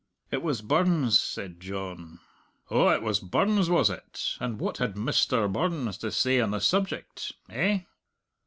"It was Burns," said John. "Oh, it was Burns, was it? And what had Mr. Burns to say on the subject? Eh?"